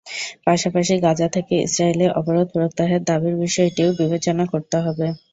পাশাপাশি গাজা থেকে ইসরায়েলি অবরোধ প্রত্যাহারের দাবির বিষয়টিও বিবেচনা করতে হবে।